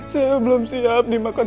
saya belum siap dimakan